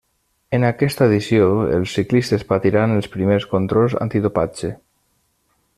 En aquesta edició els ciclistes patiran els primers controls antidopatge.